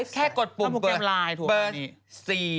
แค่กดปุ่มเปิดดี